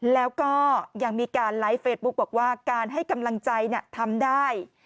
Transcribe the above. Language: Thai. แล้วก็ยังมีการไลฟ์เฟซบุ๊คบอกว่าการให้กำลังใจทำได้